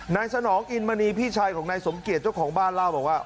สนองอินมณีพี่ชายของนายสมเกียจเจ้าของบ้านเล่าบอกว่า